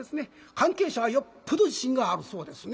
関係者はよっぽど自信があるそうですね。